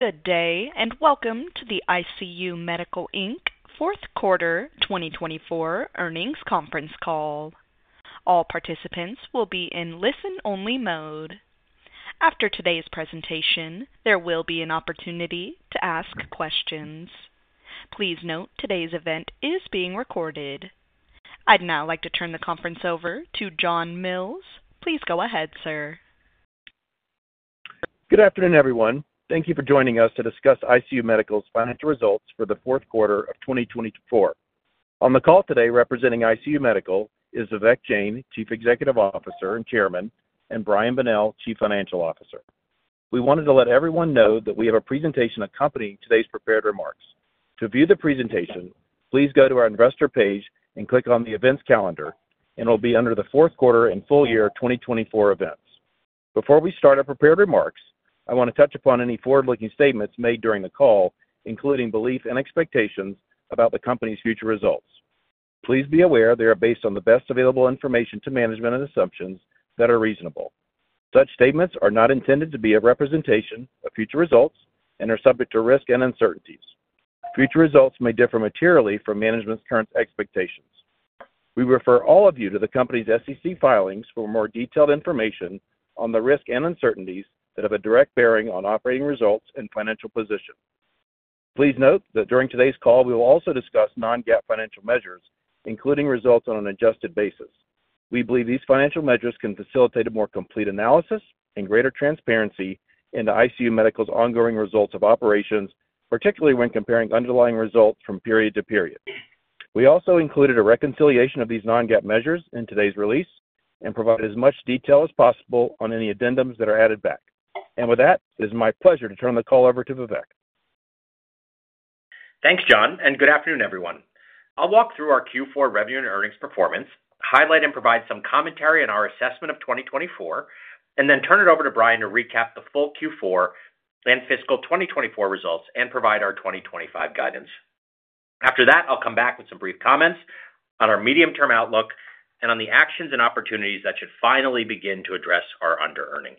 Good day, and welcome to the ICU Medical, Inc. Fourth Quarter 2024 Earnings Conference Call. All participants will be in listen-only mode. After today's presentation, there will be an opportunity to ask questions. Please note today's event is being recorded. I'd now like to turn the conference over to John Mills. Please go ahead, sir. Good afternoon, everyone. Thank you for joining us to discuss ICU Medical's financial results for the fourth quarter of 2024. On the call today representing ICU Medical is Vivek Jain, Chief Executive Officer and Chairman, and Brian Bonnell, Chief Financial Officer. We wanted to let everyone know that we have a presentation accompanying today's prepared remarks. To view the presentation, please go to our investor page and click on the events calendar, and it'll be under the fourth quarter and full year 2024 events. Before we start our prepared remarks, I want to touch upon any forward-looking statements made during the call, including beliefs and expectations about the company's future results. Please be aware they are based on the best available information to management and assumptions that are reasonable. Such statements are not intended to be a representation of future results and are subject to risk and uncertainties. Future results may differ materially from management's current expectations. We refer all of you to the company's SEC filings for more detailed information on the risk and uncertainties that have a direct bearing on operating results and financial position. Please note that during today's call, we will also discuss non-GAAP financial measures, including results on an adjusted basis. We believe these financial measures can facilitate a more complete analysis and greater transparency into ICU Medical's ongoing results of operations, particularly when comparing underlying results from period to period. We also included a reconciliation of these non-GAAP measures in today's release and provide as much detail as possible on any addendums that are added back, and with that, it is my pleasure to turn the call over to Vivek. Thanks, John, and good afternoon, everyone. I'll walk through our Q4 and earnings performance, highlight and provide some commentary on our assessment of 2024, and then turn it over to Brian to recap the full Q4 and fiscal 2024 results and provide our 2025 guidance. After that, I'll come back with some brief comments on our medium-term outlook and on the actions and opportunities that should finally begin to address our under-earning.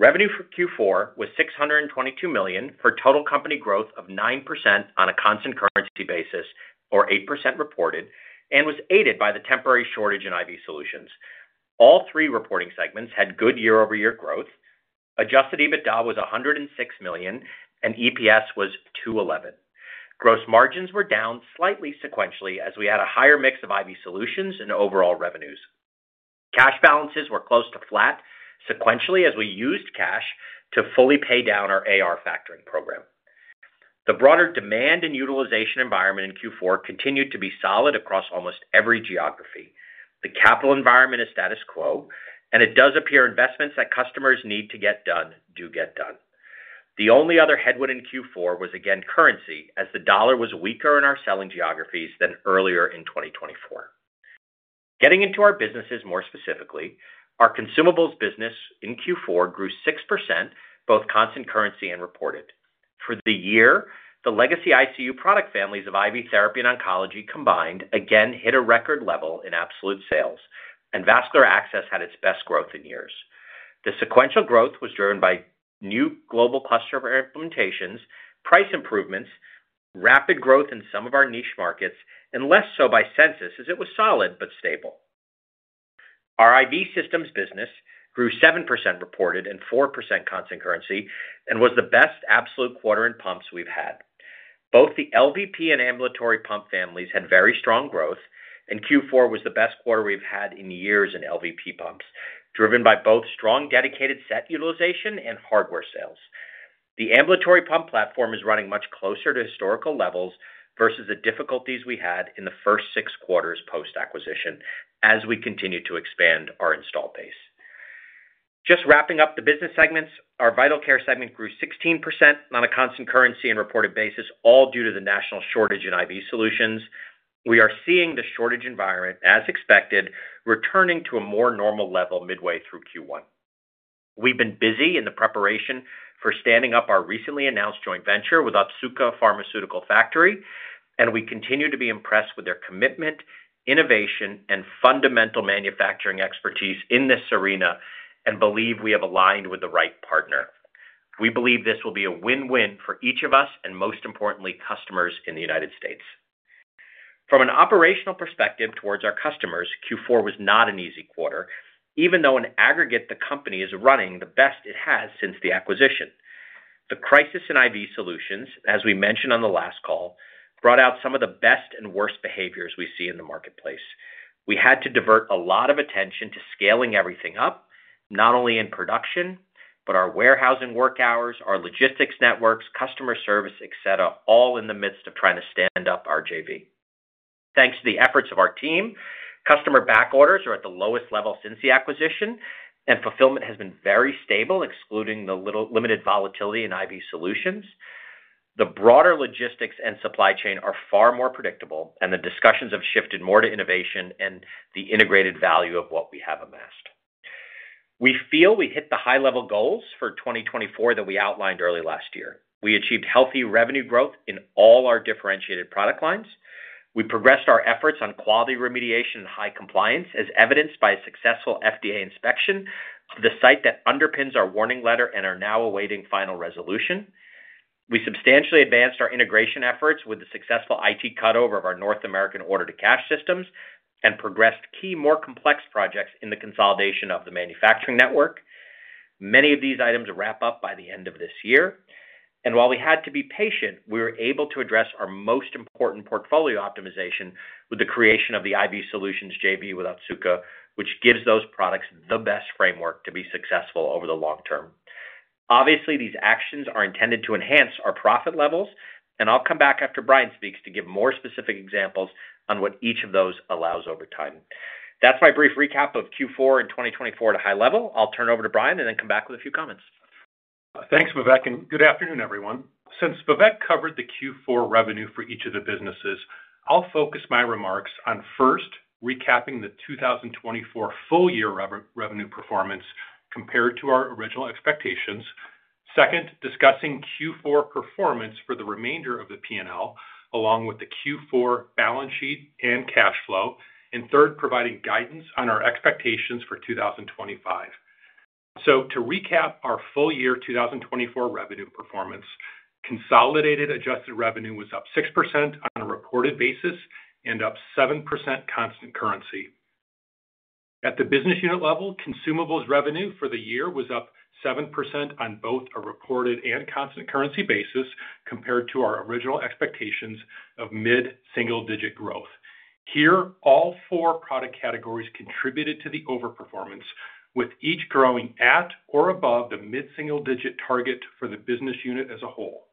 Revenue for Q4 was $622 million for total company growth of 9% on a constant currency basis, or 8% reported, and was aided by the temporary shortage in IV solutions. All three reporting segments had good year-over-year growth. Adjusted EBITDA was $106 million, and EPS was $2.11. Gross margins were down slightly sequentially as we had a higher mix of IV solutions and overall revenues. Cash balances were close to flat sequentially as we used cash to fully pay down our AR factoring program. The broader demand and utilization environment in Q4 continued to be solid across almost every geography. The capital environment is status quo, and it does appear investments that customers need to get done do get done. The only other headwind in Q4 was, again, currency, as the dollar was weaker in our selling geographies than earlier in 2024. Getting into our businesses more specifically, our Consumables business in Q4 grew 6%, both constant currency and reported. For the year, the legacy ICU product families of IV Therapy and combined again hit a record level in absolute sales, and Vascular Access had its best growth in years. The sequential growth was driven by new global cluster implementations, price improvements, rapid growth in some of our niche markets, and less so by census, as it was solid but stable. Our IV Systems business grew 7% reported and 4% constant currency, and was the best absolute quarter in pumps we've had. Both the LVP and ambulatory pump families had very strong growth, and Q4 was the best quarter we've had in years in LVP pumps, driven by both strong dedicated set utilization and hardware sales. The ambulatory pump platform is running much closer to historical levels versus the difficulties we had in the first six quarters post-acquisition as we continue to expand our install base. Just wrapping up the business segments, our Vital Care segment grew 16% on a constant currency and reported basis, all due to the national shortage in IV solutions. We are seeing the shortage environment, as expected, returning to a more normal level midway through Q1. We've been busy in the preparation for standing up our recently announced joint venture with Otsuka Pharmaceutical Factory, and we continue to be impressed with their commitment, innovation, and fundamental manufacturing expertise in this arena, and believe we have aligned with the right partner. We believe this will be a win-win for each of us and, most importantly, customers in the United States. From an operational perspective towards our customers, Q4 was not an easy quarter, even though in aggregate the company is running the best it has since the acquisition. The crisis in IV solutions, as we mentioned on the last call, brought out some of the best and worst behaviors we see in the marketplace. We had to divert a lot of attention to scaling everything up, not only in production, but our warehousing work hours, our logistics networks, customer service, etc., all in the midst of trying to stand up. Thanks to the efforts of our team, customer backorders are at the lowest level since the acquisition, and fulfillment has been very stable, excluding the limited volatility in IV solutions. The broader logistics and supply chain are far more predictable, and the discussions have shifted more to innovation and the integrated value of what we have amassed. We feel we hit the high-level goals for 2024 that we outlined early last year. We achieved healthy revenue growth in all our differentiated product lines. We progressed our efforts on quality remediation and high compliance, as evidenced by a successful FDA inspection of the site that underpins our warning letter, and are now awaiting final resolution. We substantially advanced our integration efforts with the successful IT cutover of our North American order-to-cash systems and progressed key more complex projects in the consolidation of the manufacturing network. Many of these items wrap up by the end of this year, and while we had to be patient, we were able to address our most important portfolio optimization with the creation of the IV solutions JV with Otsuka, which gives those products the best framework to be successful over the long term. Obviously, these actions are intended to enhance our profit levels, and I'll come back after Brian speaks to give more specific examples on what each of those allows over time. That's my brief recap of Q4 in 2024 at a high level. I'll turn it over to Brian and then come back with a few comments. Thanks, Vivek, and good afternoon, everyone. Since Vivek covered the Q4 revenue for each of the businesses, I'll focus my remarks on first, recapping the 2024 full year revenue performance compared to our original expectations. Second, discussing Q4 performance for the remainder of the P&L, along with the Q4 balance sheet and cash flow. And third, providing guidance on our expectations for 2025. So to recap our full year 2024 revenue performance, consolidated adjusted revenue was up 6% on a reported basis and up 7% constant currency. At the business unit level, Consumables revenue for the year was up 7% on both a reported and constant currency basis compared to our original expectations of mid-single-digit growth. Here, all four product categories contributed to the overperformance, with each growing at or above the mid-single-digit target for the business unit as a whole.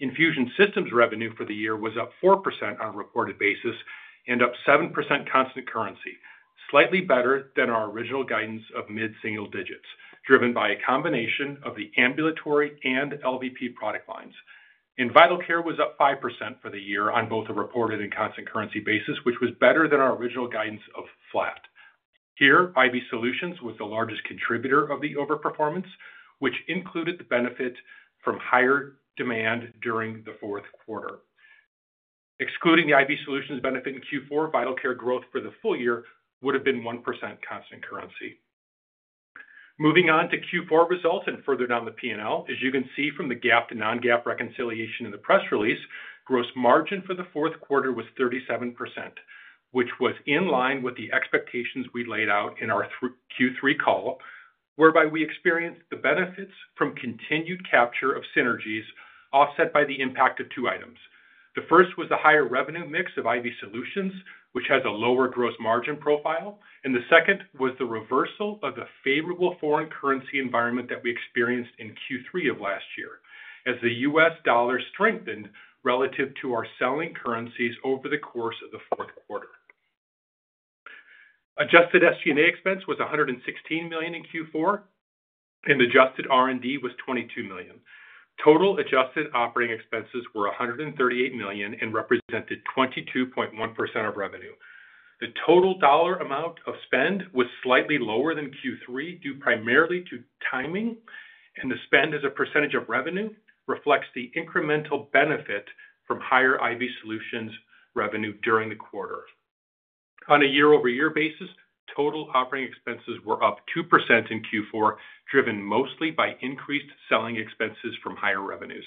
Infusion Systems revenue for the year was up 4% on a reported basis and up 7% constant currency, slightly better than our original guidance of mid-single digits, driven by a combination of the ambulatory and LVP product lines, and Vital Care was up 5% for the year on both a reported and constant currency basis, which was better than our original guidance of flat. Here, IV solutions was the largest contributor of the overperformance, which included the benefit from higher demand during the fourth quarter. Excluding the IV solutions benefit in Q4, Vital Care growth for the full year would have been 1% constant currency. Moving on to Q4 results and further down the P&L, as you can see from the GAAP to non-GAAP reconciliation in the press release, gross margin for the fourth quarter was 37%, which was in line with the expectations we laid out in our Q3 call, whereby we experienced the benefits from continued capture of synergies offset by the impact of two items. The first was the higher revenue mix of IV solutions, which has a lower gross margin profile, and the second was the reversal of the favorable foreign currency environment that we experienced in Q3 of last year, as the U.S. dollar strengthened relative to our selling currencies over the course of the fourth quarter. Adjusted SG&A expense was $116 million in Q4, and adjusted R&D was $22 million. Total adjusted operating expenses were $138 million and represented 22.1% of revenue. The total dollar amount of spend was slightly lower than Q3 due primarily to timing, and the spend as a percentage of revenue reflects the incremental benefit from higher IV solutions revenue during the quarter. On a year-over-year basis, total operating expenses were up 2% in Q4, driven mostly by increased selling expenses from higher revenues.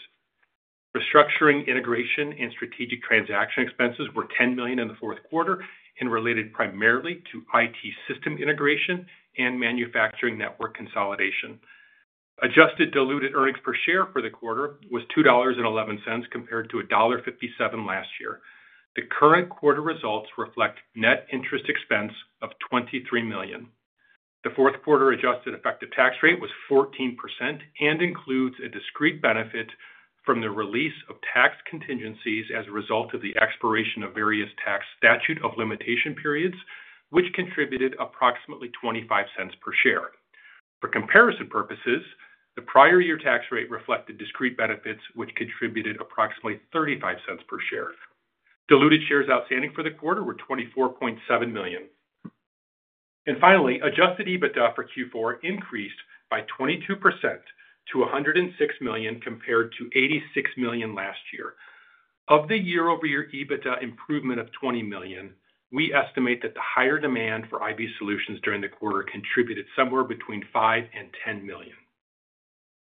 Restructuring integration and strategic transaction expenses were $10 million in the fourth quarter and related primarily to IT system integration and manufacturing network consolidation. Adjusted diluted earnings per share for the quarter was $2.11 compared to $1.57 last year. The current quarter results reflect net interest expense of $23 million. The fourth quarter adjusted effective tax rate was 14% and includes a discrete benefit from the release of tax contingencies as a result of the expiration of various tax statute of limitation periods, which contributed approximately $0.25 per share. For comparison purposes, the prior year tax rate reflected discrete benefits, which contributed approximately $0.35 per share. Diluted shares outstanding for the quarter were 24.7 million. Finally, adjusted EBITDA for Q4 increased by 22% to $106 million compared to $86 million last year. Of the year-over-year EBITDA improvement of $20 million, we estimate that the higher demand for IV solutions during the quarter contributed somewhere between $5 and $10 million.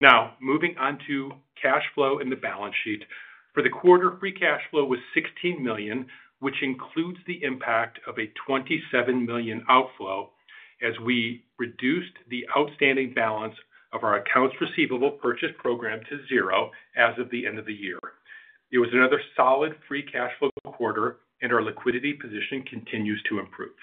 Now, moving on to cash flow and the balance sheet. For the quarter, free cash flow was $16 million, which includes the impact of a $27 million outflow as we reduced the outstanding balance of our accounts receivable purchase program to zero as of the end of the year. It was another solid free cash flow quarter, and our liquidity position continues to improve.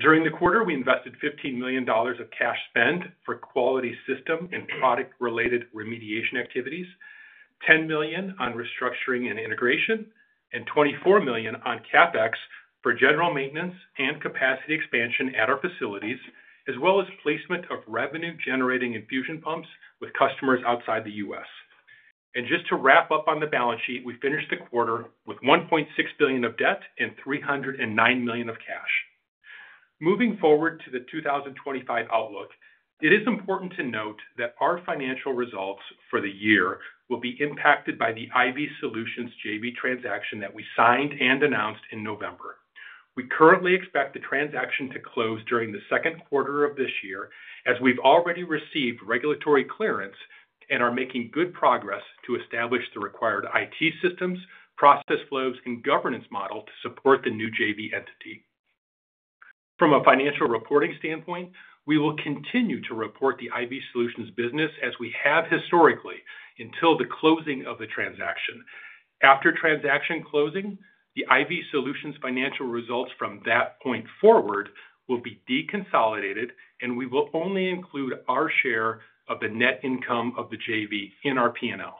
During the quarter, we invested $15 million of cash spend for quality system and product-related remediation activities, $10 million on restructuring and integration, and $24 million on CapEx for general maintenance and capacity expansion at our facilities, as well as placement of revenue-generating infusion pumps with customers outside the U.S., and just to wrap up on the balance sheet, we finished the quarter with $1.6 billion of debt and $309 million of cash. Moving forward to the 2025 outlook, it is important to note that our financial results for the year will be impacted by the IV solutions JV transaction that we signed and announced in November. We currently expect the transaction to close during the second quarter of this year, as we've already received regulatory clearance and are making good progress to establish the required IT systems, process flows, and governance model to support the new JV entity. From a financial reporting standpoint, we will continue to report the IV solutions business as we have historically until the closing of the transaction. After transaction closing, the IV solutions financial results from that point forward will be deconsolidated, and we will only include our share of the net income of the JV in our P&L.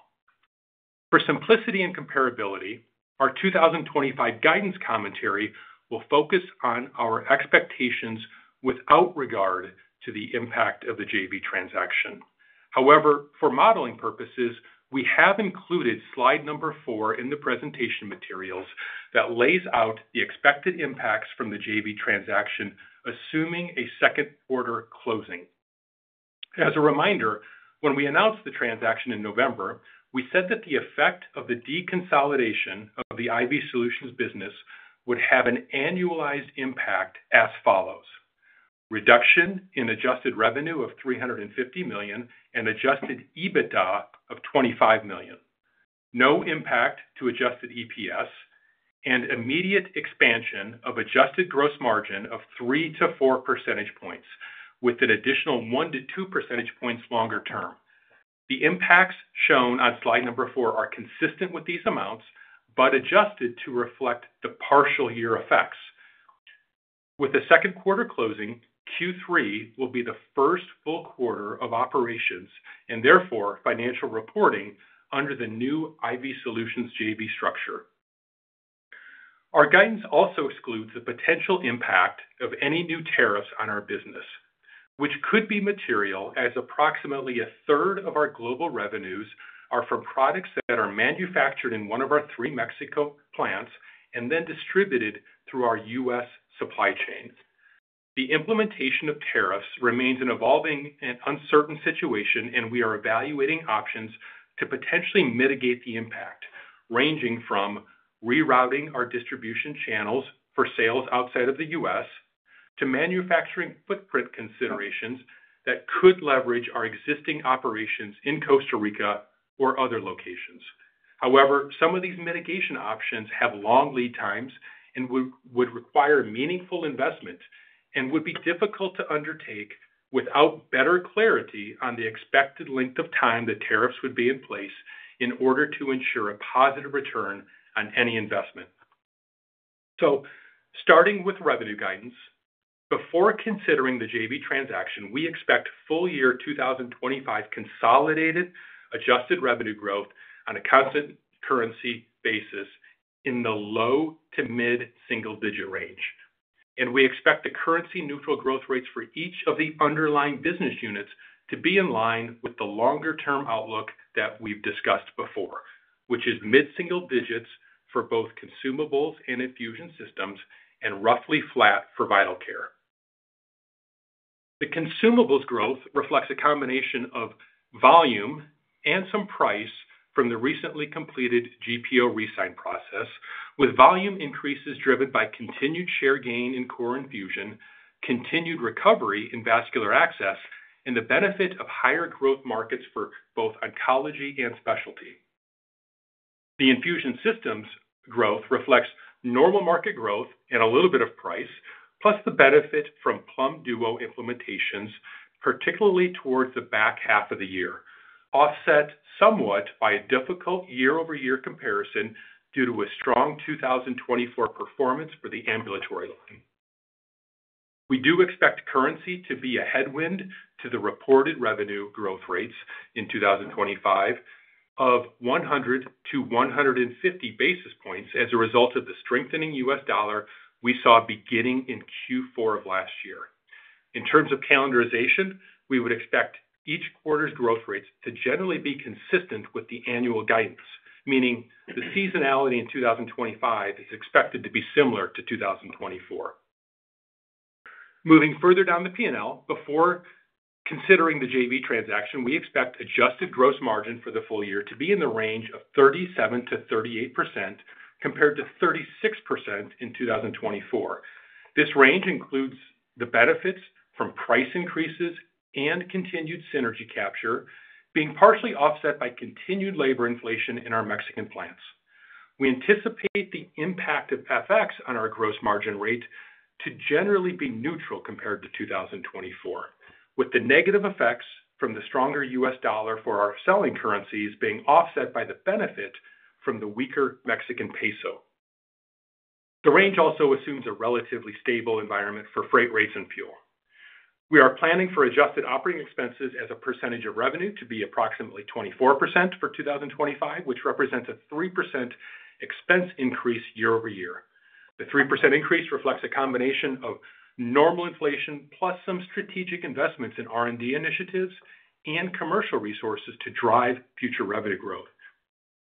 For simplicity and comparability, our 2025 guidance commentary will focus on our expectations without regard to the impact of the JV transaction. However, for modeling purposes, we have included slide number four in the presentation materials that lays out the expected impacts from the JV transaction, assuming a second quarter closing. As a reminder, when we announced the transaction in November, we said that the effect of the deconsolidation of the IV Solutions business would have an annualized impact as follows: reduction in adjusted revenue of $ 350 million and Adjusted EBITDA of $25 million, no impact to adjusted EPS, and immediate expansion of adjusted gross margin of 3-4 percentage points with an additional 1-2 percentage points longer term. The impacts shown on slide number four are consistent with these amounts, but adjusted to reflect the partial year effects. With the second quarter closing, Q3 will be the first full quarter of operations and therefore financial reporting under the new IV Solutions JV structure. Our guidance also excludes the potential impact of any new tariffs on our business, which could be material as approximately a third of our global revenues are from products that are manufactured in one of our three Mexico plants and then distributed through our U.S. supply chain. The implementation of tariffs remains an evolving and uncertain situation, and we are evaluating options to potentially mitigate the impact, ranging from rerouting our distribution channels for sales outside of the U.S. to manufacturing footprint considerations that could leverage our existing operations in Costa Rica or other locations. However, some of these mitigation options have long lead times and would require meaningful investment and would be difficult to undertake without better clarity on the expected length of time that tariffs would be in place in order to ensure a positive return on any investment. Starting with revenue guidance, before considering the JV transaction, we expect full year 2025 consolidated adjusted revenue growth on a constant currency basis in the low- to mid-single-digit range. We expect the currency-neutral growth rates for each of the underlying business units to be in line with the longer-term outlook that we've discussed before, which is mid-single digits for both Consumables and Infusion Systems and roughly flat for Vital Care. The Consumables growth reflects a combination of volume and some price from the recently completed GPO re-sign process, with volume increases driven by continued share gain in core infusion, continued recovery in Vascular Access, and the benefit of higher growth markets for both Oncology and specialty. The Infusion Systems growth reflects normal market growth and a little bit of price, plus the benefit from Plum Duo implementations, particularly towards the back half of the year, offset somewhat by a difficult year-over-year comparison due to a strong 2024 performance for the ambulatory line. We do expect currency to be a headwind to the reported revenue growth rates in 2025 of 100 to 150 basis points as a result of the strengthening U.S. dollar we saw beginning in Q4 of last year. In terms of calendarization, we would expect each quarter's growth rates to generally be consistent with the annual guidance, meaning the seasonality in 2025 is expected to be similar to 2024. Moving further down the P&L, before considering the JV transaction, we expect adjusted gross margin for the full year to be in the range of 37%-38% compared to 36% in 2024. This range includes the benefits from price increases and continued synergy capture being partially offset by continued labor inflation in our Mexican plants. We anticipate the impact of FX on our gross margin rate to generally be neutral compared to 2024, with the negative effects from the stronger U.S. dollar for our selling currencies being offset by the benefit from the weaker Mexican peso. The range also assumes a relatively stable environment for freight rates and fuel. We are planning for adjusted operating expenses as a percentage of revenue to be approximately 24% for 2025, which represents a 3% expense increase year-over-year. The 3% increase reflects a combination of normal inflation plus some strategic investments in R&D initiatives and commercial resources to drive future revenue growth.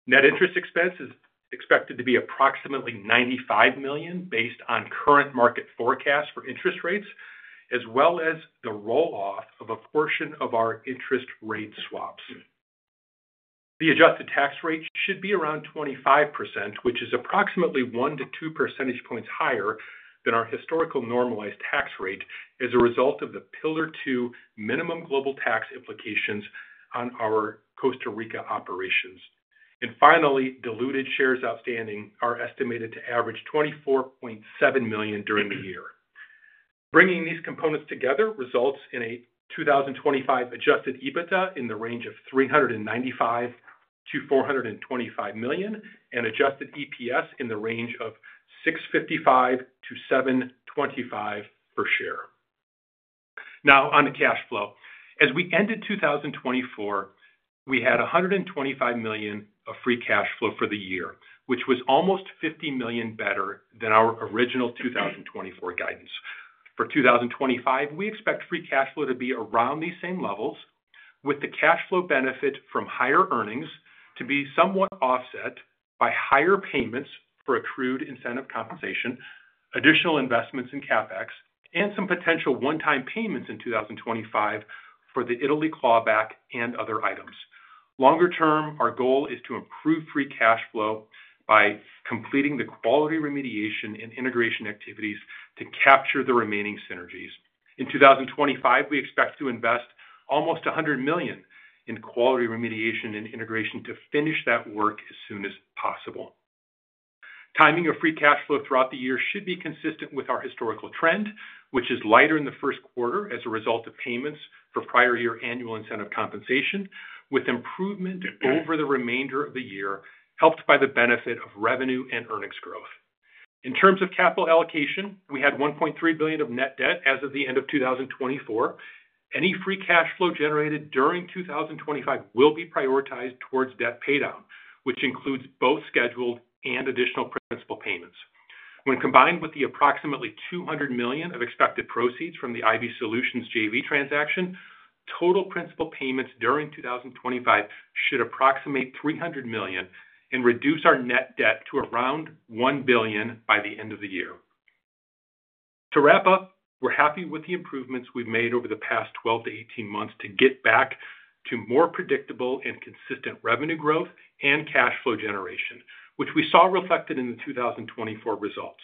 Net interest expense is expected to be approximately $95 million based on current market forecasts for interest rates, as well as the roll-off of a portion of our interest rate swaps. The adjusted tax rate should be around 25%, which is approximately 1-2 percentage points higher than our historical normalized tax rate as a result of the Pillar Two minimum global tax implications on our Costa Rica operations. And finally, diluted shares outstanding are estimated to average 24.7 million during the year. Bringing these components together results in a 2025 adjusted EBITDA in the range of $395 million-$425 million and adjusted EPS in the range of $6.55-$7.25 per share. Now, on the cash flow. As we ended 2024, we had $125 million of free cash flow for the year, which was almost $50 million better than our original 2024 guidance. For 2025, we expect free cash flow to be around these same levels, with the cash flow benefit from higher earnings to be somewhat offset by higher payments for accrued incentive compensation, additional investments in CapEx, and some potential one-time payments in 2025 for the Italy clawback and other items. Longer term, our goal is to improve free cash flow by completing the quality remediation and integration activities to capture the remaining synergies. In 2025, we expect to invest almost $100 million in quality remediation and integration to finish that work as soon as possible. Timing of free cash flow throughout the year should be consistent with our historical trend, which is lighter in the first quarter as a result of payments for prior year annual incentive compensation, with improvement over the remainder of the year helped by the benefit of revenue and earnings growth. In terms of capital allocation, we had $1.3 billion of net debt as of the end of 2024. Any free cash flow generated during 2025 will be prioritized towards debt paydown, which includes both scheduled and additional principal payments. When combined with the approximately $200 million of expected proceeds from the IV Solutions JV transaction, total principal payments during 2025 should approximate $300 million and reduce our net debt to around $1 billion by the end of the year. To wrap up, we're happy with the improvements we've made over the past 12 to 18 months to get back to more predictable and consistent revenue growth and cash flow generation, which we saw reflected in the 2024 results.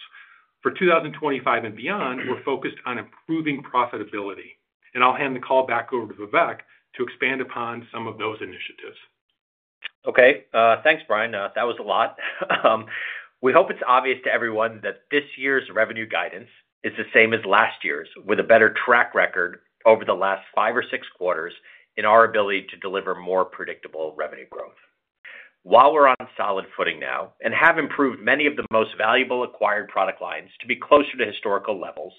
For 2025 and beyond, we're focused on improving profitability. And I'll hand the call back over to Vivek to expand upon some of those initiatives. Okay. Thanks, Brian. That was a lot. We hope it's obvious to everyone that this year's revenue guidance is the same as last year's, with a better track record over the last five or six quarters in our ability to deliver more predictable revenue growth. While we're on solid footing now and have improved many of the most valuable acquired product lines to be closer to historical levels,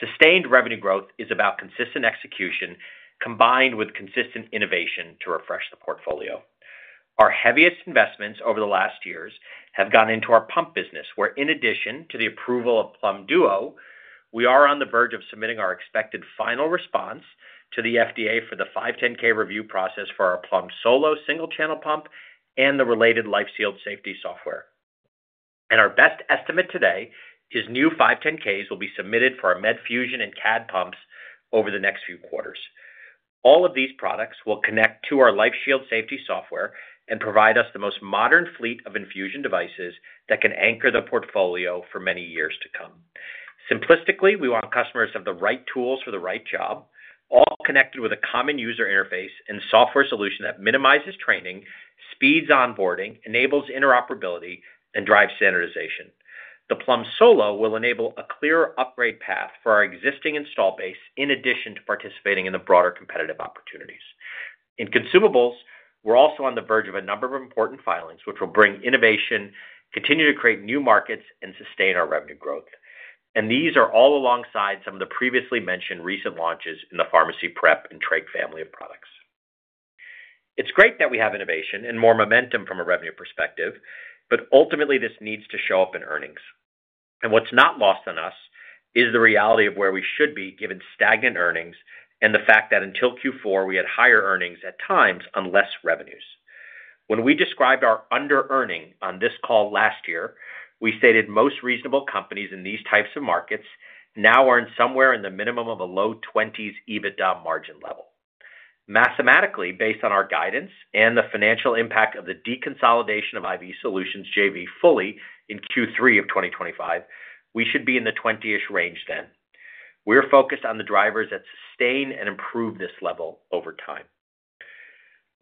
sustained revenue growth is about consistent execution combined with consistent innovation to refresh the portfolio. Our heaviest investments over the last years have gone into our pump business, where, in addition to the approval of Plum Duo, we are on the verge of submitting our expected final response to the FDA for the 510(k) review process for our Plum Solo single-channel pump and the related LifeShield safety software. Our best estimate today is new 510(k)s will be submitted for our Medfusion and CADD pumps over the next few quarters. All of these products will connect to our LifeShield safety software and provide us the most modern fleet of infusion devices that can anchor the portfolio for many years to come. Simplistically, we want customers to have the right tools for the right job, all connected with a common user interface and software solution that minimizes training, speeds onboarding, enables interoperability, and drives standardization. The Plum Solo will enable a clearer upgrade path for our existing install base in addition to participating in the broader competitive opportunities. In Consumables, we're also on the verge of a number of important filings, which will bring innovation, continue to create new markets, and sustain our revenue growth. These are all alongside some of the previously mentioned recent launches in the pharmacy prep and trach family of products. It's great that we have innovation and more momentum from a revenue perspective, but ultimately this needs to show up in earnings. What's not lost on us is the reality of where we should be given stagnant earnings and the fact that until Q4, we had higher earnings at times on less revenues. When we described our under-earning on this call last year, we stated most reasonable companies in these types of markets now earn somewhere in the minimum of a low 20s EBITDA margin level. Mathematically, based on our guidance and the financial impact of the deconsolidation of IV Solutions JV fully in Q3 of 2025, we should be in the 20-ish range then. We're focused on the drivers that sustain and improve this level over time.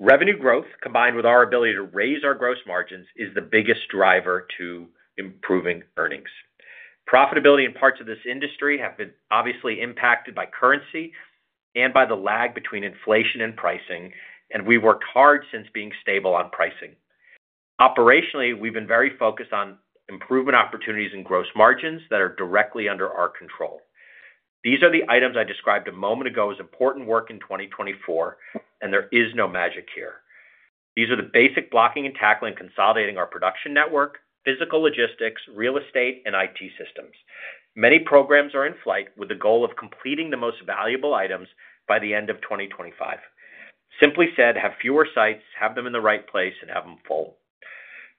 Revenue growth, combined with our ability to raise our gross margins, is the biggest driver to improving earnings. Profitability in parts of this industry has been obviously impacted by currency and by the lag between inflation and pricing, and we've worked hard since being stable on pricing. Operationally, we've been very focused on improvement opportunities in gross margins that are directly under our control. These are the items I described a moment ago as important work in 2024, and there is no magic here. These are the basic blocking and tackling, consolidating our production network, physical logistics, real estate, and IT systems. Many programs are in flight with the goal of completing the most valuable items by the end of 2025. Simply said, have fewer sites, have them in the right place, and have them full.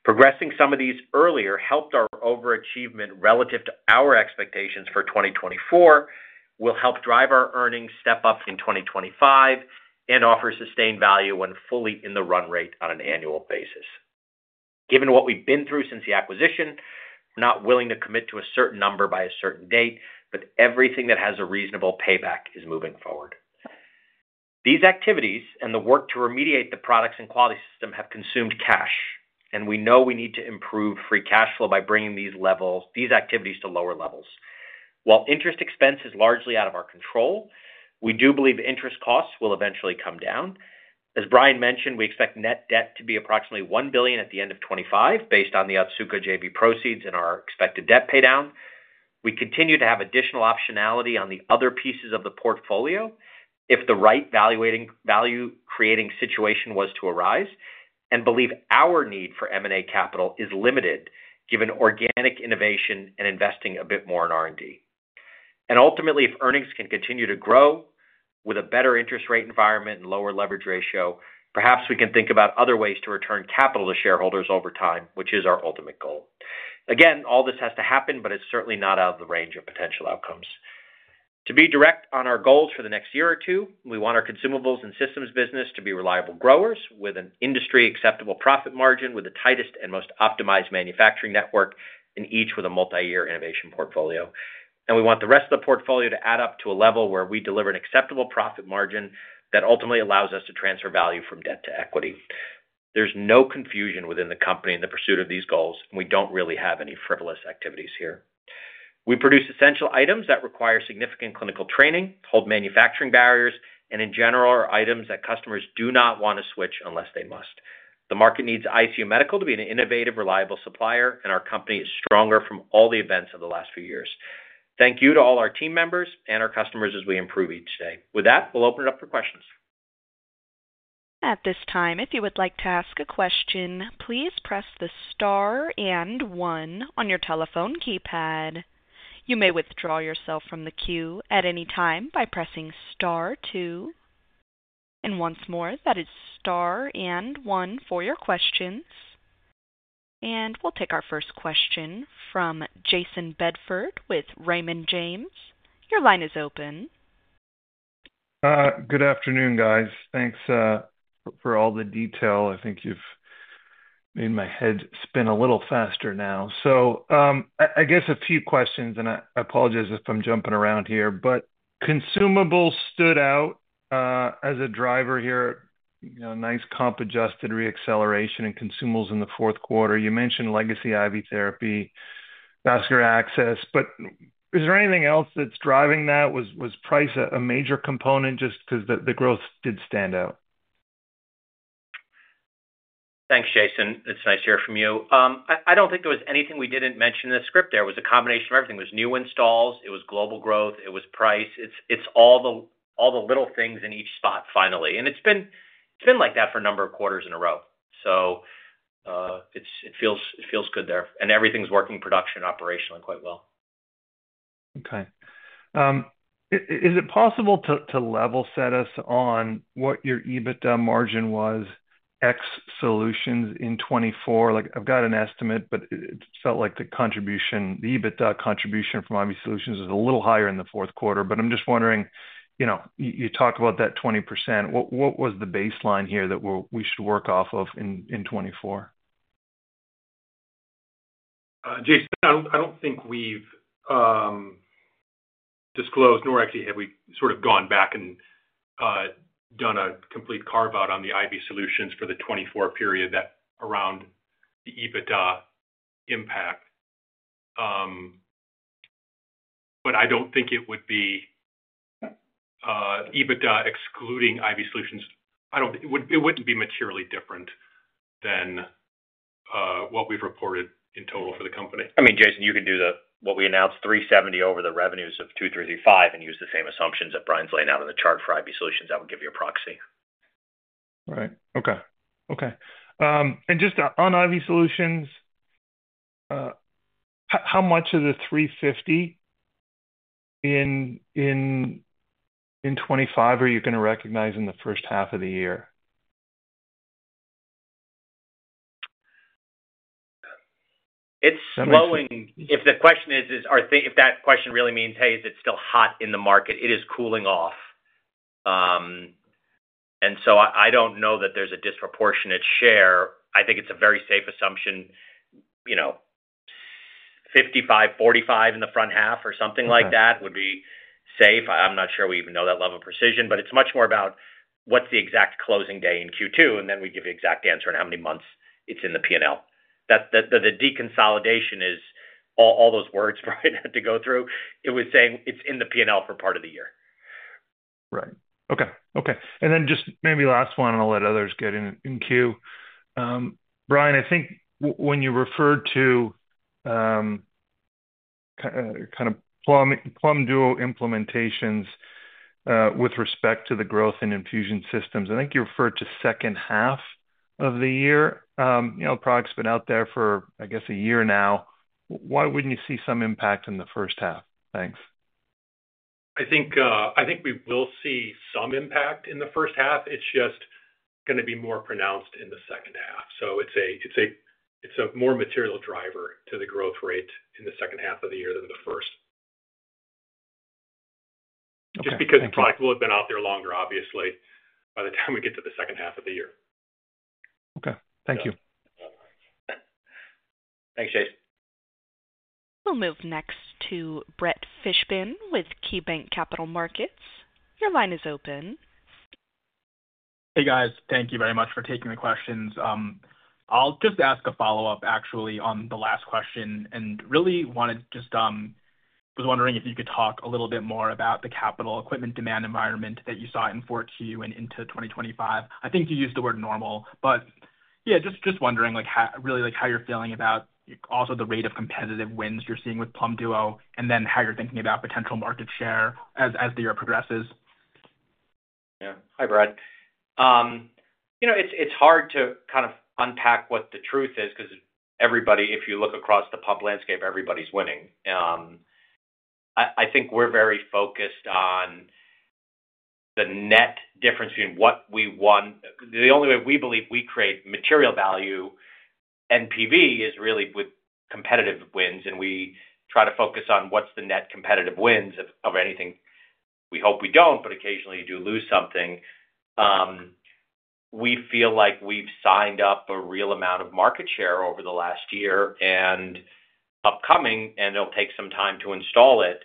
Progressing some of these earlier helped our overachievement relative to our expectations for 2024 will help drive our earnings step up in 2025 and offer sustained value when fully in the run rate on an annual basis. Given what we've been through since the acquisition, we're not willing to commit to a certain number by a certain date, but everything that has a reasonable payback is moving forward. These activities and the work to remediate the products and quality system have consumed cash, and we know we need to improve free cash flow by bringing these activities to lower levels. While interest expense is largely out of our control, we do believe interest costs will eventually come down. As Brian mentioned, we expect net debt to be approximately $1 billion at the end of 2025 based on the Otsuka JV proceeds and our expected debt paydown. We continue to have additional optionality on the other pieces of the portfolio if the right value-creating situation was to arise and believe our need for M&A capital is limited given organic innovation and investing a bit more in R&D, and ultimately, if earnings can continue to grow with a better interest rate environment and lower leverage ratio, perhaps we can think about other ways to return capital to shareholders over time, which is our ultimate goal. Again, all this has to happen, but it's certainly not out of the range of potential outcomes. To be direct on our goals for the next year or two, we want our Consumables and systems business to be reliable growers with an industry-acceptable profit margin with the tightest and most optimized manufacturing network and each with a multi-year innovation portfolio. And we want the rest of the portfolio to add up to a level where we deliver an acceptable profit margin that ultimately allows us to transfer value from debt to equity. There's no confusion within the company in the pursuit of these goals, and we don't really have any frivolous activities here. We produce essential items that require significant clinical training, hold manufacturing barriers, and in general, are items that customers do not want to switch unless they must. The market needs ICU Medical to be an innovative, reliable supplier, and our company is stronger from all the events of the last few years. Thank you to all our team members and our customers as we improve each day. With that, we'll open it up for questions. At this time, if you would like to ask a question, please press the star and one on your telephone keypad. You may withdraw yourself from the queue at any time by pressing star two. And once more, that is star and one for your questions. And we'll take our first question from Jayson Bedford with Raymond James. Your line is open. Good afternoon, guys. Thanks for all the detail. I think you've made my head spin a little faster now. So I guess a few questions, and I apologize if I'm jumping around here, but Consumables stood out as a driver here. Nice comp adjusted re-acceleration and Consumables in the fourth quarter. You mentioned legacy IV Therapy, Vascular Access, but is there anything else that's driving that? Was price a major component just because the growth did stand out? Thanks, Jayson. It's nice to hear from you. I don't think there was anything we didn't mention in the script there. It was a combination of everything. It was new installs, it was global growth, it was price. It's all the little things in each spot, finally. And it's been like that for a number of quarters in a row. So it feels good there. And everything's working production operationally quite well. Okay. Is it possible to level set us on what your EBITDA margin was IV solutions in 2024? I've got an estimate, but it felt like the EBITDA contribution from IV solutions was a little higher in the fourth quarter. But I'm just wondering, you talked about that 20%. What was the baseline here that we should work off of in 2024?, I don't think we've disclosed nor actually have we sort of gone back and done a complete carve-out on the IV solutions for the 2024 period that around the EBITDA impact. But I don't think it would be EBITDA excluding IV solutions. It wouldn't be materially different than what we've reported in total for the company. I mean, Jayson, you could do what we announced, $370 million over the revenues of $335 million, and use the same assumptions that Brian's laying out in the chart for IV solutions. That would give you a proxy. Right. Okay. Okay. And just on IV solutions, how much of the $350 million in 2025 are you going to recognize in the first half of the year? It's slowing. If the question is, if that question really means, "Hey, is it still hot in the market?" It is cooling off. And so I don't know that there's a disproportionate share. I think it's a very safe assumption. 55, 45 in the front half or something like that would be safe. I'm not sure we even know that level of precision, but it's much more about what's the exact closing day in Q2, and then we give the exact answer on how many months it's in the P&L. The deconsolidation is all those words Brian had to go through. It was saying it's in the P&L for part of the year. Right. Okay. Okay. And then just maybe last one, and I'll let others get in queue. Brian, I think when you referred to kind of Plum Duo implementations with respect to the growth and Infusion Systems, I think you referred to second half of the year. The product's been out there for, I guess, a year now. Why wouldn't you see some impact in the first half? Thanks. I think we will see some impact in the first half. It's just going to be more pronounced in the second half. So it's a more material driver to the growth rate in the second half of the year than the first. Just because the product will have been out there longer, obviously, by the time we get to the second half of the year. Okay. Thank you. Thanks, Jayson. We'll move next to Brett Fishbin with KeyBanc Capital Markets. Your line is open. Hey, guys. Thank you very much for taking the questions. I'll just ask a follow-up, actually, on the last question and really was wondering if you could talk a little bit more about the capital equipment demand environment that you saw in and into 2025. I think you used the word normal, but yeah, just wondering really how you're feeling about also the rate of competitive wins you're seeing with Plum Duo and then how you're thinking about potential market share as the year progresses. Yeah. Hi, Brett It's hard to kind of unpack what the truth is because everybody, if you look across the pump landscape, everybody's winning. I think we're very focused on the net difference between what we won. The only way we believe we create material value NPV is really with competitive wins, and we try to focus on what's the net competitive wins of anything. We hope we don't, but occasionally you do lose something. We feel like we've signed up a real amount of market share over the last year and upcoming, and it'll take some time to install it.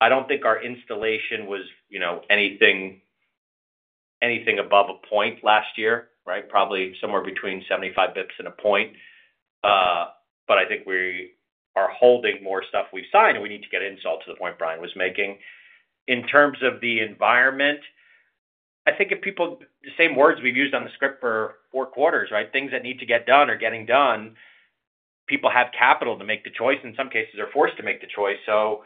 I don't think our installation was anything above a point last year, right? Probably somewhere between 75 basis points and a point. But I think we are holding more stuff we've signed, and we need to get installed to the point Brian was making. In terms of the environment, I think it's the same words we've used on the script for four quarters, right? Things that need to get done are getting done. People have capital to make the choice. In some cases, they're forced to make the choice, so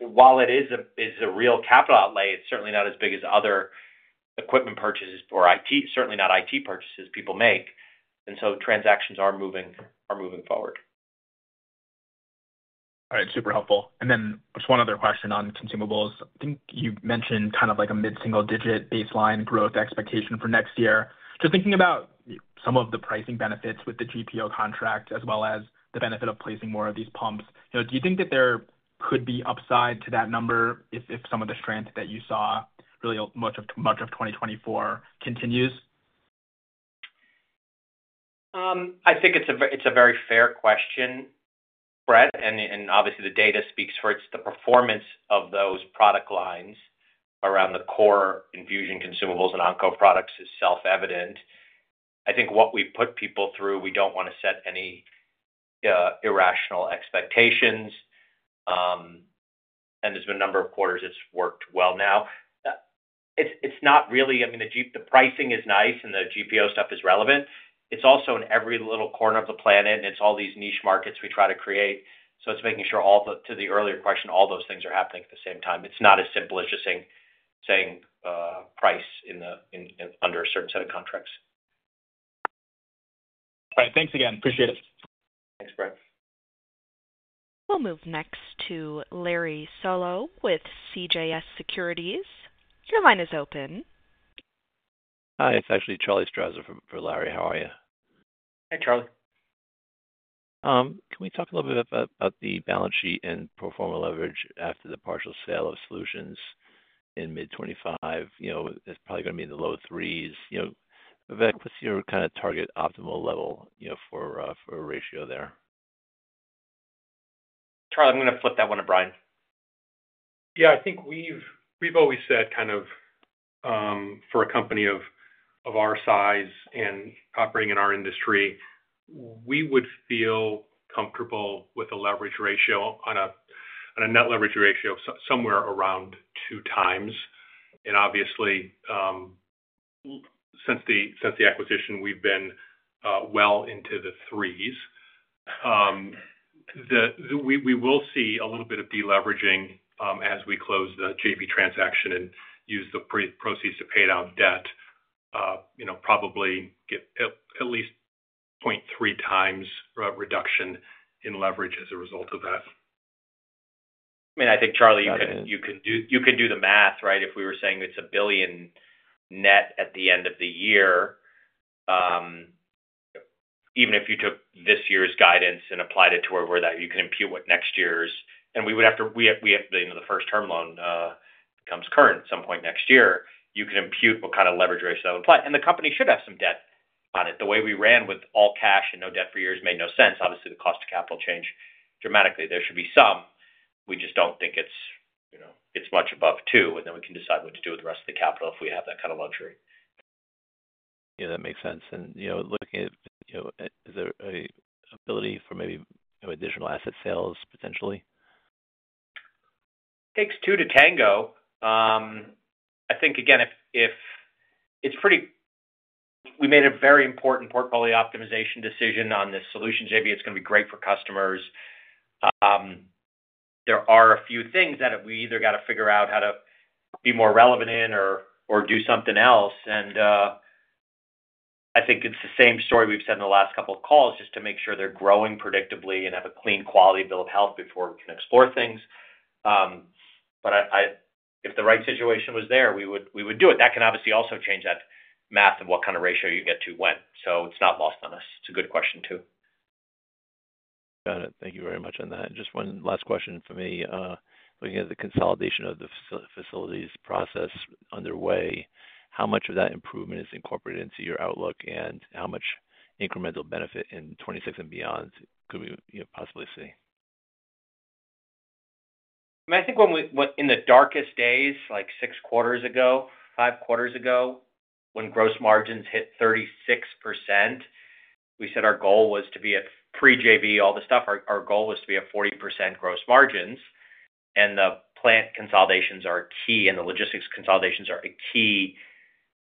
while it is a real capital outlay, it's certainly not as big as other equipment purchases or certainly not IT purchases people make, and so transactions are moving forward. All right. Super helpful, and then just one other question on Consumables. I think you mentioned kind of like a mid-single-digit baseline growth expectation for next year. Just thinking about some of the pricing benefits with the GPO contract as well as the benefit of placing more of these pumps, do you think that there could be upside to that number if some of the strength that you saw in much of 2024 continues? I think it's a very fair question, Brett. And obviously, the data speaks for it. It's the performance of those product lines around the core infusion Consumables and Oncology products is self-evident. I think what we put people through, we don't want to set any irrational expectations. And there's been a number of quarters it's worked well now. It's not really I mean, the pricing is nice and the GPO stuff is relevant. It's also in every little corner of the planet, and it's all these niche markets we try to create. So it's making sure all to the earlier question, all those things are happening at the same time. It's not as simple as just saying price under a certain set of contracts. All right. Thanks again. Appreciate it. Thanks, Brett. We'll move next to Larry Solow with CJS Securities. Your line is open. Hi. It's actually Charlie Strauzer for Larry. How are you? Hey, Charlie. Can we talk a little bit about the balance sheet and pro forma leverage after the partial sale of solutions in mid 2025? It's probably going to be in the low threes. Vivek, what's your kind of target optimal level for a ratio there? Charlie, I'm going to flip that one to Brian. Yeah. I think we've always said kind of for a company of our size and operating in our industry, we would feel comfortable with a leverage ratio on a net leverage ratio somewhere around two times. And obviously, since the acquisition, we've been well into the threes. We will see a little bit of deleveraging as we close the JV transaction and use the proceeds to pay down debt, probably get at least 0.3 times reduction in leverage as a result of that. I mean, I think, Charlie, you could do the math, right? If we were saying it's $1 billion net at the end of the year, even if you took this year's guidance and applied it to where you can impute what next year's and we would have to. We have the first term loan becomes current at some point next year. You can impute what kind of leverage rates that would apply. And the company should have some debt on it. The way we ran with all cash and no debt for years made no sense. Obviously, the cost of capital changed dramatically. There should be some. We just don't think it's much above two. And then we can decide what to do with the rest of the capital if we have that kind of luxury. Yeah. That makes sense. And looking at, is there an ability for maybe additional asset sales potentially? Takes two to tango. I think, again, if it's pretty we made a very important portfolio optimization decision on this solution JV, it's going to be great for customers. There are a few things that we either got to figure out how to be more relevant in or do something else. And I think it's the same story we've said in the last couple of calls just to make sure they're growing predictably and have a clean quality bill of health before we can explore things. But if the right situation was there, we would do it. That can obviously also change that math of what kind of ratio you get to when. So it's not lost on us. It's a good question too. Got it. Thank you very much on that. Just one last question for me. Looking at the consolidation of the facilities process underway, how much of that improvement is incorporated into your outlook and how much incremental benefit in 2026 and beyond could we possibly see? I mean, I think in the darkest days, like six quarters ago, five quarters ago, when gross margins hit 36%, we said our goal was to be at pre-JV, all this stuff. Our goal was to be at 40% gross margins. And the plant consolidations are key, and the logistics consolidations are a key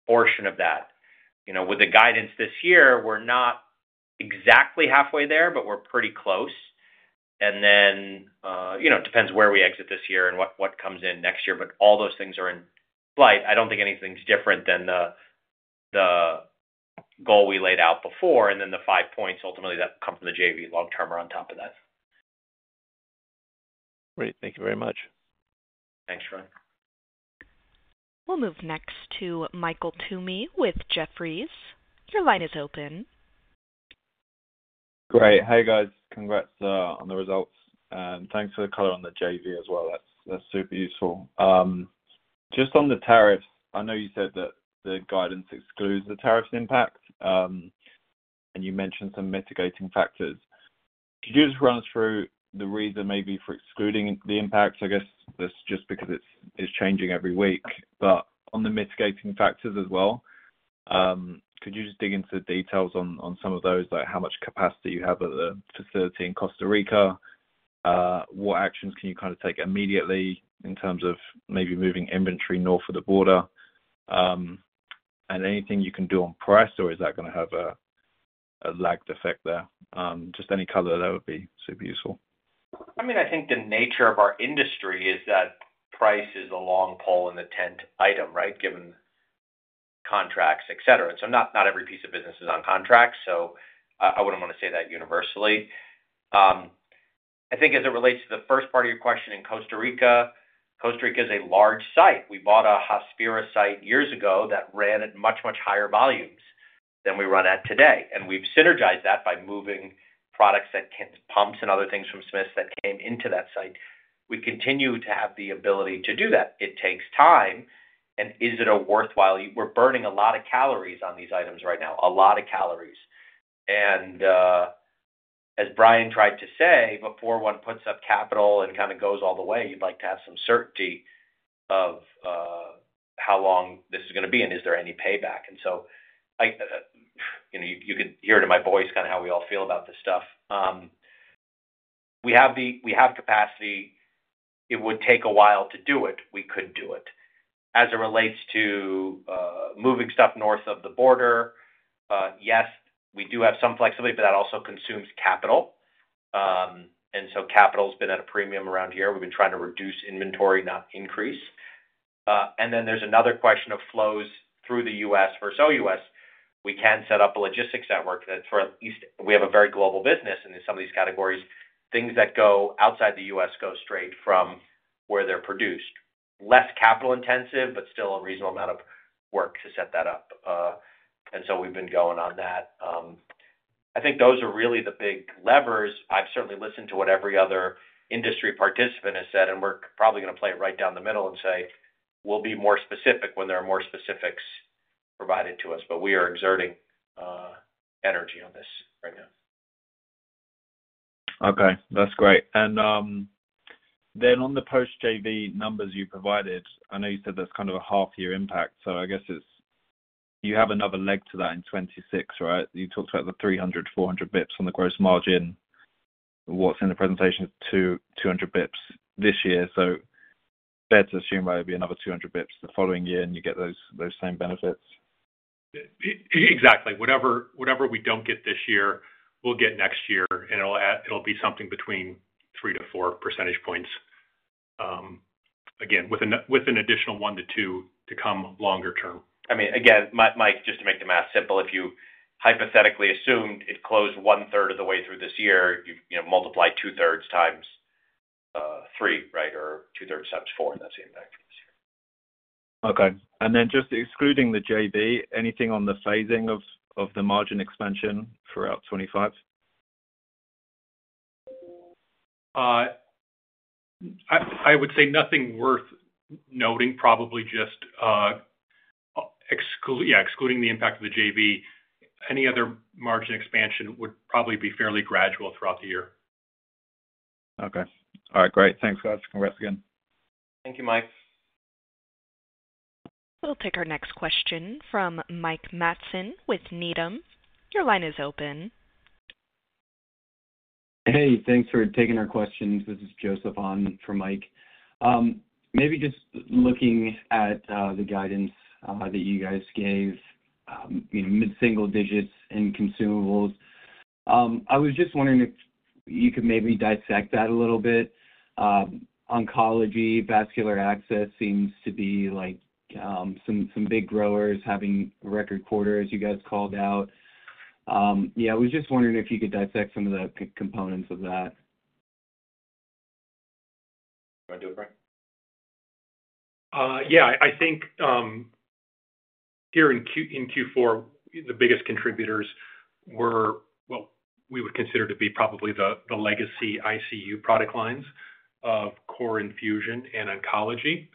portion of that. With the guidance this year, we're not exactly halfway there, but we're pretty close. And then it depends where we exit this year and what comes in next year. But all those things are in play. I don't think anything's different than the goal we laid out before. And then the five points ultimately that come from the JV long-term are on top of that. Great. Thank you very much. Thanks, Charlie. We'll move next to Michael Toomey with Jefferies. Your line is open. Great. Hey, guys. Congrats on the results. And thanks for the color on the JV as well. That's super useful. Just on the tariffs, I know you said that the guidance excludes the tariffs impact, and you mentioned some mitigating factors. Could you just run us through the reason maybe for excluding the impact? I guess that's just because it's changing every week. But on the mitigating factors as well, could you just dig into the details on some of those, like how much capacity you have at the facility in Costa Rica? What actions can you kind of take immediately in terms of maybe moving inventory north of the border? And anything you can do on price, or is that going to have a lagged effect there? Just any color of that would be super useful. I mean, I think the nature of our industry is that price is a long pole in the tent item, right, given contracts, etc. And so not every piece of business is on contracts. So I wouldn't want to say that universally. I think as it relates to the first part of your question in Costa Rica, Costa Rica is a large site. We bought a Hospira site years ago that ran at much, much higher volumes than we run at today. And we've synergized that by moving products that came to pumps and other things from that came into that site. We continue to have the ability to do that. It takes time. And is it a worthwhile? We're burning a lot of calories on these items right now. A lot of calories. And as Brian tried to say, before one puts up capital and kind of goes all the way, you'd like to have some certainty of how long this is going to be and is there any payback. And so you can hear it in my voice, kind of how we all feel about this stuff. We have capacity. It would take a while to do it. We could do it. As it relates to moving stuff north of the border, yes, we do have some flexibility, but that also consumes capital. And so capital has been at a premium around here. We've been trying to reduce inventory, not increase. And then there's another question of flows through the U.S. versus OUS. We can set up a logistics network that's for at least we have a very global business, and in some of these categories, things that go outside the U.S. go straight from where they're produced. Less capital-intensive, but still a reasonable amount of work to set that up, and so we've been going on that. I think those are really the big levers. I've certainly listened to what every other industry participant has said, and we're probably going to play it right down the middle and say, "We'll be more specific when there are more specifics provided to us." But we are exerting energy on this right now. Okay. That's great, and then on the post-JV numbers you provided, I know you said that's kind of a half-year impact. So I guess you have another leg to that in 2026, right? You talked about the 300-400 basis points on the gross margin. What's in the presentation is 200 basis points this year. So fair to assume that would be another 200 basis points the following year and you get those same benefits. Exactly. Whatever we don't get this year, we'll get next year. And it'll be something between three to four percentage points. Again, with an additional one to two to come longer term. I mean, again, Mike, just to make the math simple, if you hypothetically assumed it closed 1/3 of the way through this year, you multiply 2/3 times three, right? Or 2/3 times four in that same time for this year. Okay. And then just excluding the JV, anything on the phasing of the margin expansion throughout 2025? I would say nothing worth noting, probably just, yeah, excluding the impact of the JV. Any other margin expansion would probably be fairly gradual throughout the year. Okay. All right. Great. Thanks, guys. Congrats again. Thank you, Mike. We'll take our next question from Mike Matson with Needham. Your line is open. Hey, thanks for taking our questions. This is Joseph on for Mike. Maybe just looking at the guidance that you guys gave, mid-single digits in Consumables. I was just wondering if you could maybe dissect that a little bit. Oncology, Vascular Access seems to be some big growers having record quarters, you guys called out. Yeah. I was just wondering if you could dissect some of the components of that. You want to do it, Brian? Yeah. I think here in Q4, the biggest contributors were, well, we would consider to be probably the legacy ICU product lines of core infusion and oncology.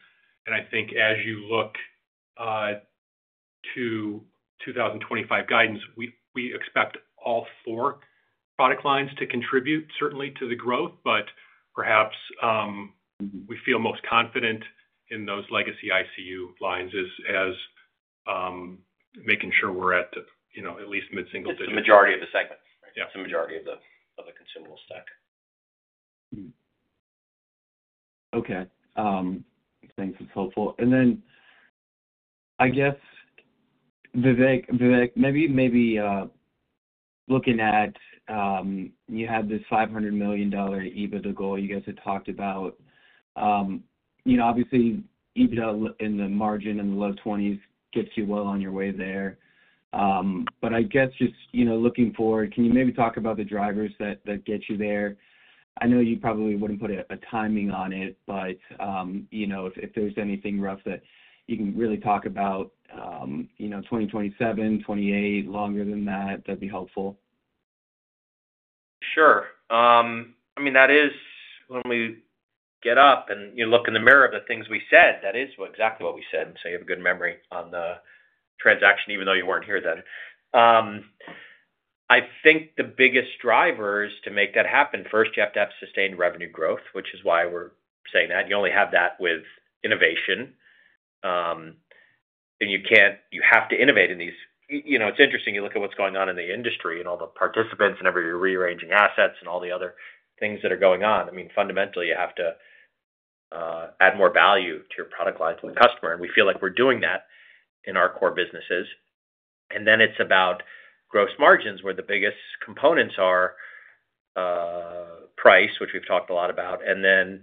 And I think as you look to 2025 guidance, we expect all four product lines to contribute certainly to the growth, but perhaps we feel most confident in those legacy ICU lines as making sure we're at least mid-single digits. It's the majority of the segment. It's the majority of the consumable stack. Okay. Thanks. That's helpful. And then I guess, Vivek, maybe looking at you have this $500 million EBITDA goal you guys had talked about. Obviously, EBITDA in the margin in the low 20s gets you well on your way there. But I guess just looking forward, can you maybe talk about the drivers that get you there? I know you probably wouldn't put a timing on it, but if there's anything rough that you can really talk about, 2027, 2028, longer than that, that'd be helpful. Sure. I mean, that is when we get up and you look in the mirror of the things we said, that is exactly what we said. So you have a good memory on the transaction, even though you weren't here then. I think the biggest drivers to make that happen, first, you have to have sustained revenue growth, which is why we're saying that. You only have that with innovation. And you have to innovate in these. It's interesting. You look at what's going on in the industry and all the participants and everybody rearranging assets and all the other things that are going on. I mean, fundamentally, you have to add more value to your product line to the customer. And we feel like we're doing that in our core businesses. And then it's about gross margins where the biggest components are price, which we've talked a lot about, and then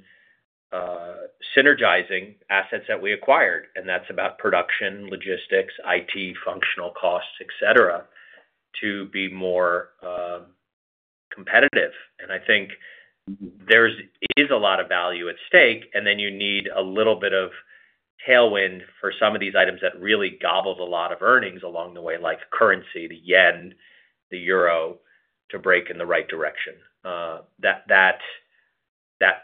synergizing assets that we acquired. And that's about production, logistics, IT, functional costs, etc., to be more competitive. And I think there is a lot of value at stake. And then you need a little bit of tailwind for some of these items that really gobbled a lot of earnings along the way, like currency, the yen, the euro, to break in the right direction. That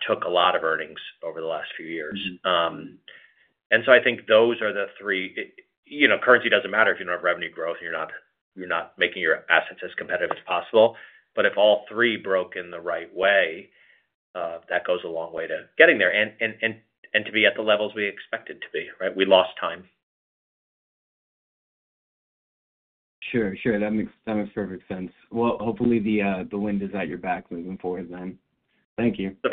took a lot of earnings over the last few years. And so I think those are the three. Currency doesn't matter if you don't have revenue growth and you're not making your assets as competitive as possible. But if all three broke in the right way, that goes a long way to getting there and to be at the levels we expected to be, right? We lost time. Sure. Sure. That makes perfect sense. Well, hopefully, the wind is at your back moving forward then. Thank you. The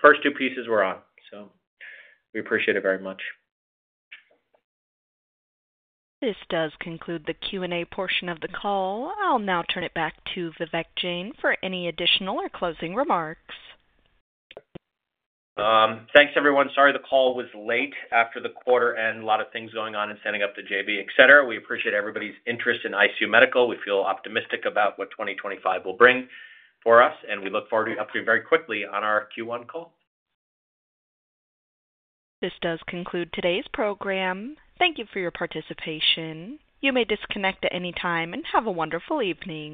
first two pieces were on. So we appreciate it very much. This does conclude the Q&A portion of the call. I'll now turn it back to Vivek Jain for any additional or closing remarks. Thanks, everyone. Sorry the call was late after the quarter end. A lot of things going on and setting up the JV, etc. We appreciate everybody's interest in ICU Medical. We feel optimistic about what 2025 will bring for us. And we look forward to updating very quickly on our Q1 call. This does conclude today's program. Thank you for your participation. You may disconnect at any time and have a wonderful evening.